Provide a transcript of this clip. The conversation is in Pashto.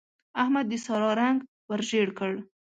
احمد د سارا رنګ ور ژړ کړ.